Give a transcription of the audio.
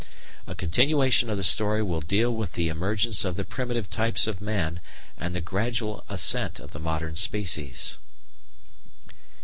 A continuation of the story will deal with the emergence of the primitive types of man and the gradual ascent of the modern species.